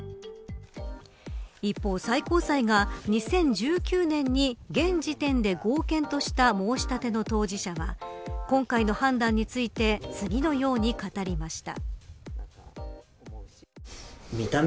一方、最高裁が２０１９年に現時点で合憲とした申し立ての当事者は今回の判断について次のように語りました。